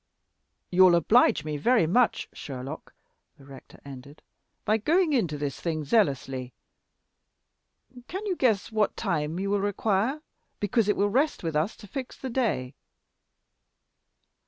"You'll oblige me very much, Sherlock," the rector ended, "by going into this thing zealously. Can you guess what time you will require? because it will rest with us to fix the day."